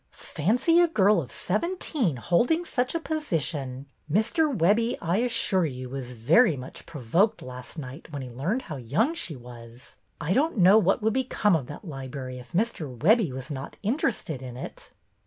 Fancy a girl of seventeen holding such a position! Mr. Webbie, I assure you, was very much provoked last night when he learned how young she was. I don't know what would become of that library if Mr. Webbie was not interested in it."